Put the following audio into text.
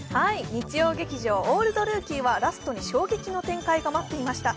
日曜劇場「オールドルーキー」はラストに衝撃の展開が待っていました。